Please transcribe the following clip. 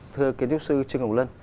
thưa kiến trúc sư trương ngọc lân